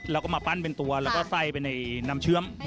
แล้วก็มาปั้นเป็นตัวแล้วก็ไส้ไปในน้ำเชื้อม